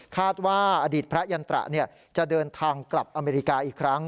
อดีตพระยันตระจะเดินทางกลับอเมริกาอีกครั้ง